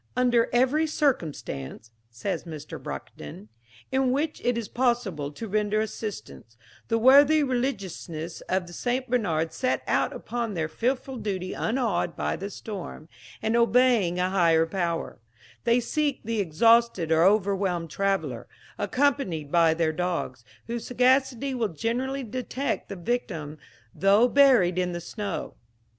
"Under every circumstance," says Mr. Brockedon, "in which it is possible to render assistance, the worthy religieuses of St. Bernard set out upon their fearful duty unawed by the storm, and obeying a higher Power; they seek the exhausted or overwhelmed traveller, accompanied by their dogs, whose sagacity will generally detect the victim though buried in the snow.